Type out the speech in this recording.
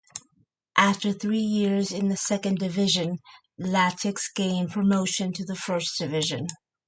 After three years in the Second Division, Latics gained promotion to the First Division.